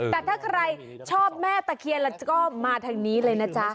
แต่ถ้าใครชอบแม่ตะเคียนแล้วก็มาทางนี้เลยนะจ๊ะ